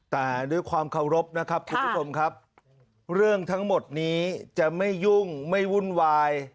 แต่ด้วยความเคารพนะครับคุณผู้ชมครับเรื่องทั้งหมดนี้จะไม่ยุ่งไม่วุ่นวาย